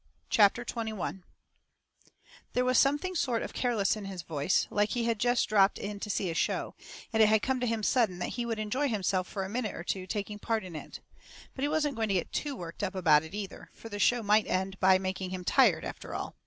CHAPTER XXI There was something sort of careless in his voice, like he had jest dropped in to see a show, and it had come to him sudden that he would enjoy himself fur a minute or two taking part in it. But he wasn't going to get TOO worked up about it, either, fur the show might end by making him tired, after all.